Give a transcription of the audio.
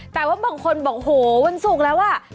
แต่ว่าบางคนบอกนะคะโหวันศุกร์แล้ว